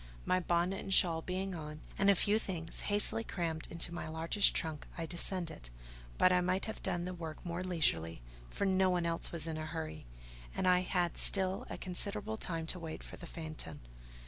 My bonnet and shawl being on, and a few things hastily crammed into my largest trunk, I descended. But I might have done the work more leisurely, for no one else was in a hurry; and I had still a considerable time to wait for the phaeton.